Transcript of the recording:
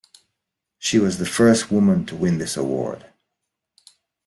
She was the first woman to win this award.